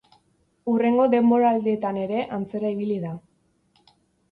Hurrengo denboraldietan ere antzera ibili da.